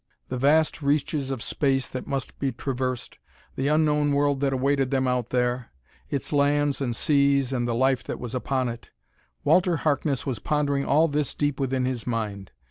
The vast reaches of space that must be traversed; the unknown world that awaited them out there; its lands and seas and the life that was upon it: Walter Harkness was pondering all this deep within his mind.